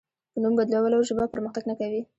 په نوم بدلولو ژبه پرمختګ نه کوي.